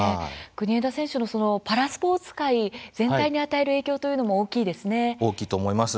国枝選手のパラスポーツ界全体に与える影響というのも大きいと思います。